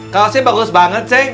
kaosnya bagus banget ceng